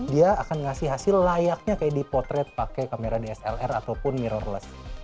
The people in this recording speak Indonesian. dia akan ngasih hasil layaknya kayak di potret pakai kamera dslr ataupun mirrorless